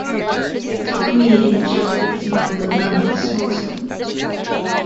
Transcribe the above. Takumi in the Japanese manga Nana smokes them.